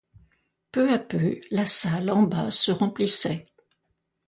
Peu à peu, la salle, en bas, se remplissait.